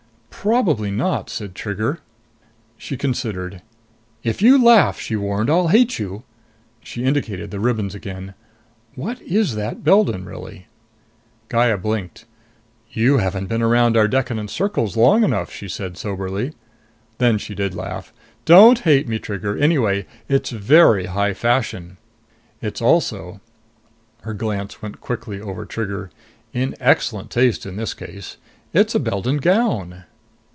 "Probably not," said Trigger. She considered. "If you laugh," she warned, "I'll hate you." She indicated the ribbons again. "What is that Beldon really?" Gaya blinked. "You haven't been around our decadent circles long enough," she said soberly. Then she did laugh. "Don't hate me, Trigger! Anyway, it's very high fashion. It's also" her glance went quickly over Trigger "in excellent taste, in this case. It's a Beldon gown."